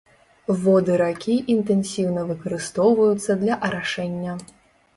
Воды ракі інтэнсіўна выкарыстоўваюцца для арашэння.